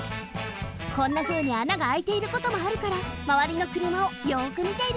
こんなふうにあながあいていることもあるからまわりのくるまをよくみているんだって。